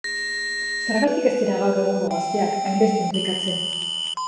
Zergatik ez dira gaur egungo gazteak hainbeste inplikatzen?